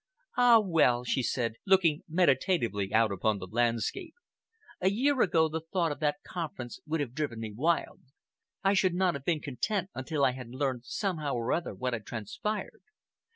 "Ah! well," she said, looking meditatively out upon the landscape, "a year ago the thought of that conference would have driven me wild. I should not have been content until I had learned somehow or other what had transpired.